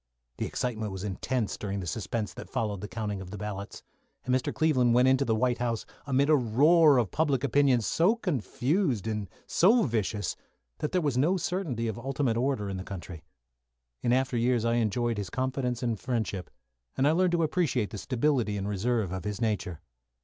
The excitement was intense during the suspense that followed the counting of the ballots, and Mr. Cleveland went into the White House amidst a roar of public opinion so confused and so vicious that there was no certainty of ultimate order in the country. In after years I enjoyed his confidence and friendship, and I learned to appreciate the stability and reserve of his nature.